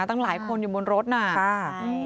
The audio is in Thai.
ตั้งหลายคนอยู่บนรถน่ะค่ะอืมค่ะใช่